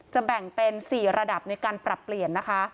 แบ่งเป็น๔ระดับในการปรับเปลี่ยนนะคะ